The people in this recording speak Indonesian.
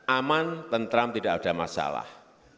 aman tentram tidak ada masalah